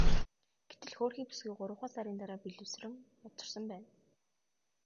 Гэтэл хөөрхий бүсгүй гуравхан сарын дараа бэлэвсрэн хоцорсон байна.